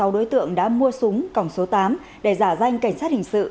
sáu đối tượng đã mua súng còng số tám để giả danh cảnh sát hình sự